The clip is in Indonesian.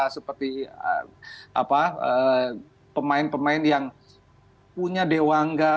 seperti pemain pemain yang punya dewangga